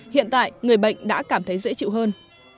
hiện tại người bệnh đã cảm thấy dễ chịu hơn